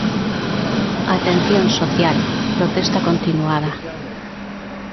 Atención social: protesta continuada.